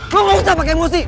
mau gak usah pake emosi